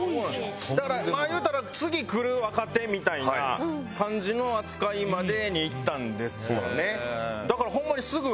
だからまあ言うたら次来る若手みたいな感じの扱いまでにいったんですよね。